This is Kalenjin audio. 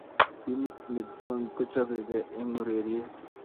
timit nenguong kochapekei eng ureriet